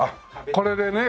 これでね。